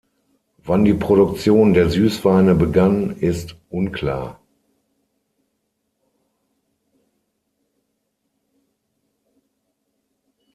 Wann die Produktion der Süßweine begann, ist unklar.